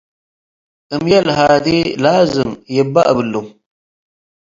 እምዬ ለሃዲ ላዝም ይበ እብሉ።